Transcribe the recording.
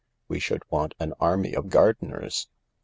"We should want an army of gardeners."